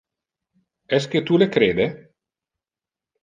Esque tu le crede?